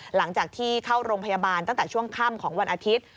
หลังจากที่เข้าโรงพยาบาลตั้งแต่ช่วงค่ำของวันอาทิตย์